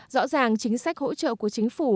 rõ ràng chính sách hỗ trợ của chính phủ